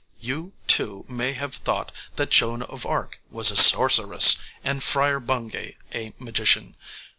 You, too, may have thought that Joan of Arc was a sorceress and Friar Bungay a magician.